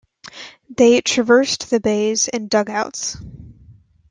They traversed the bays in dugouts.